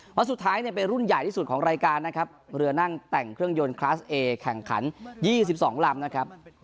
เพราะสุดท้ายเนี่ยเป็นรุ่นใหญ่ที่สุดของรายการนะครับเรือนั่งแต่งเครื่องยนต์คลาสเอแข่งขัน๒๒ลำนะครับ